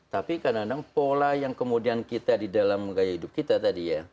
tapi kadang kadang pola yang kemudian kita di dalam gaya hidup kita tadi ya